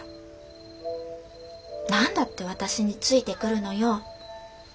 『何だって私についてくるのよ？』。